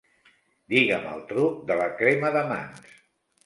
Digue'm el truc de la crema de mans.